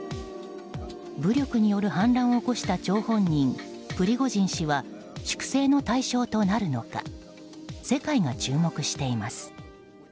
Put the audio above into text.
武力による反乱を起こした張本人プリゴジン氏は粛清の対象となるのか世界が注目しています。